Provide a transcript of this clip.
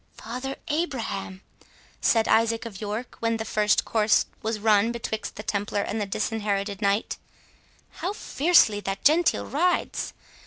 "Father Abraham!" said Isaac of York, when the first course was run betwixt the Templar and the Disinherited Knight, "how fiercely that Gentile rides!